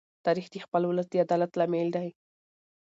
تاریخ د خپل ولس د عدالت لامل دی.